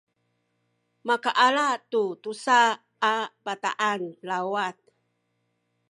makaala tu tusa a bataan lawat